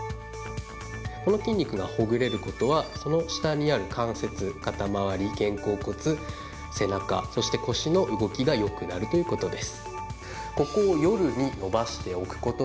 この筋肉がほぐれることは、その下にある関節、肩回り、肩甲骨、背中そして腰の動きがよくなるということです。